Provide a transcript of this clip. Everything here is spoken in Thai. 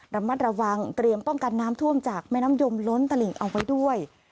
ระมัดระวังเตรียมป้องกันน้ำท่วมจากแม่น้ำยมล้นตลิ่งเอาไว้ด้วย